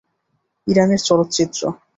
ইরানের চলচ্চিত্র